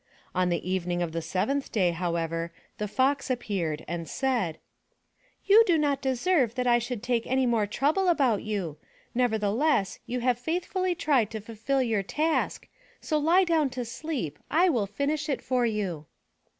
On the evening of the seventh day, however, the Fox appeared and said: "You do not deserve that I should take any more trouble about you, nevertheless you have faithfully tried to fulfill your task, so he down to sleep, I will finish it for you."